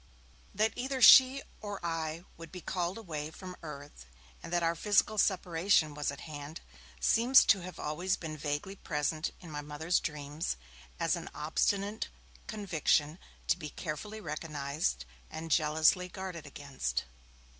That either she or I would be called away from earth, and that our physical separation was at hand, seems to have been always vaguely present in my Mother's dreams, as an obstinate conviction to be carefully recognized and jealously guarded against.